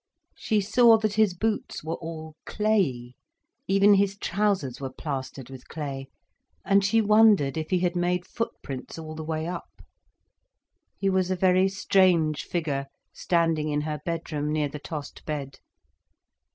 She saw that his boots were all clayey, even his trousers were plastered with clay. And she wondered if he had made footprints all the way up. He was a very strange figure, standing in her bedroom, near the tossed bed.